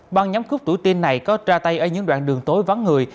ban nhóm cướp tuổi tin này có ra tay ở những đoạn đường tối vắng người